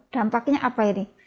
dampaknya apa ini